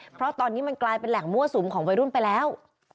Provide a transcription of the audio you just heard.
เพราะตอนนี้มันกลายเป็นแหล่งมั่วสุมของวัยรุ่นไปแล้ว